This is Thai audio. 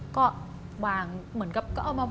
ก็วางเหมือนกับ